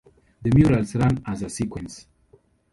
The murals run as a sequence.